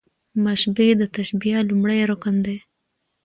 مشبه د تشبېه لومړی رکن دﺉ.